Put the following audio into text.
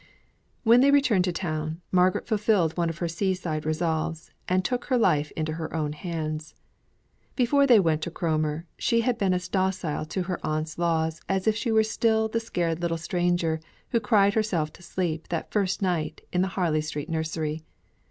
When they returned to town, Margaret fulfilled one of her sea side resolves, and took her life into her own hands. Before they went to Cromer, she had been as docile to her aunt's laws as if she were still the scared little stranger who cried herself to sleep that first night in the Harley Street nursery.